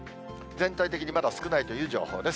全体的にまだ少ないという情報です。